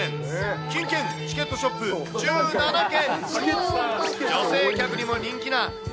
金券・チケットショップ１７軒。